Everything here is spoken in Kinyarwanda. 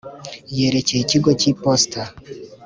yerekeye ikigo cy iposita